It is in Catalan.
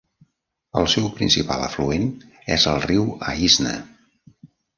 El seu principal afluent és el riu Aisne.